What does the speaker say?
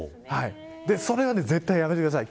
それは絶対にやめてください。